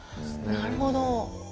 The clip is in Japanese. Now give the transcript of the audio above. なるほど！